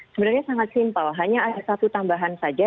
sebenarnya sangat simpel hanya ada satu tambahan saja